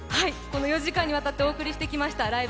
４時間にわたってお送りしてきました「ライブ！